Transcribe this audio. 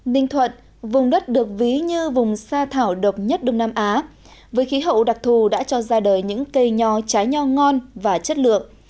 ninh thuận vùng đất được ví như vùng xa thảo độc nhất đông nam á với khí hậu đặc thù đã cho ra đời những cây nho trái nho ngon và chất lượng